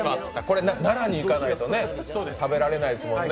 奈良に行かないと食べられないですもんね。